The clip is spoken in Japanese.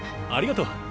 ありがとう。